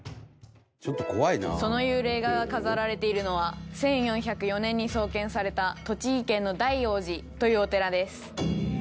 「その幽霊画が飾られているのは１４０４年に創建された栃木県の大雄寺というお寺です」